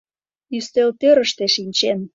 Ӱстелтӧрыштӧ шинчен